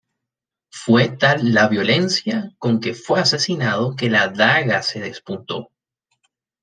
Fue tal la violencia con que fue asesinado que la daga se despuntó.